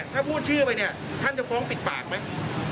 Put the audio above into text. ถ้าพูดชื่อไปเนี่ยท่านจะฟ้องปิดปากไหม